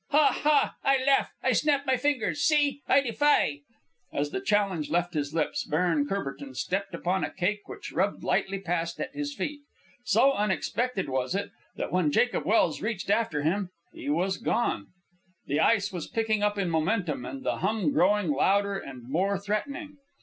"Ha! ha! I laugh! I snap my fingers! See! I defy!" As the challenge left his lips. Baron Courbertin stepped upon a cake which rubbed lightly past at his feet. So unexpected was it, that when Jacob Welse reached after him he was gone. The ice was picking up in momentum, and the hum growing louder and more threatening.